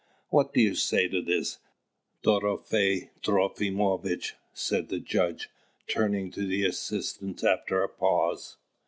"What do you say to this, Dorofei Trofimovitch?" said the judge, turning to the assistant after a pause.